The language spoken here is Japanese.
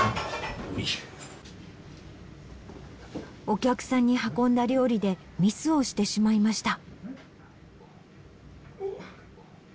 お客さんに運んだ料理でミスをしてしまいました。